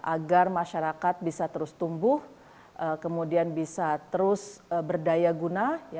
agar masyarakat bisa terus tumbuh kemudian bisa terus berdaya guna